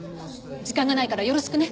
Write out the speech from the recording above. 時間がないからよろしくね。